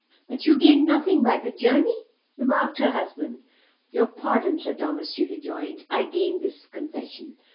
"But you gained nothing by the journey?" remarked her husband. "Your pardon, Sir Thomas," she rejoined; "I gained this confession.